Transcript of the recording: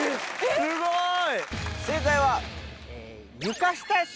・すごい！